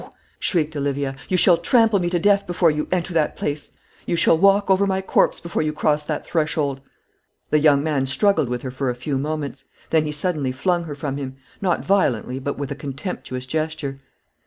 shrieked Olivia; "you shall trample me to death before you enter that place. You shall walk over my corpse before you cross that threshold." The young man struggled with her for a few moments; then he suddenly flung her from him; not violently, but with a contemptuous gesture.